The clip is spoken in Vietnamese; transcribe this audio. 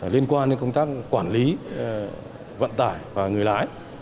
liên quan đến công tác quản lý vận tải và người lái